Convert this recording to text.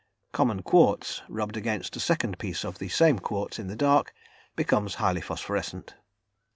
Common quartz, rubbed against a second piece of the same quartz in the dark, becomes highly phosphorescent.